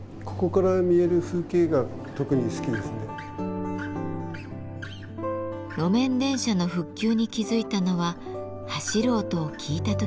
路面電車の復旧に気付いたのは走る音を聞いた時でした。